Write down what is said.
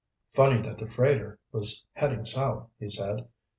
"Funny that the freighter was heading south," he said.